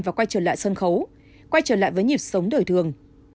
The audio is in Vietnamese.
và quay trở lại sân khấu quay trở lại với nhịp sống đời thường